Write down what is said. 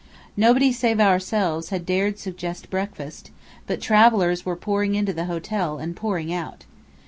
Nobody save ourselves had dared suggest breakfast; but travellers were pouring into the hotel, and pouring out.